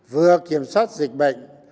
vừa kiểm soát dịch bệnh